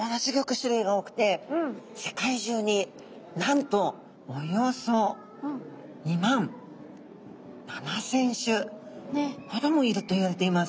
種類が多くて世界中になんとおよそ２万７，０００種ほどもいるといわれています。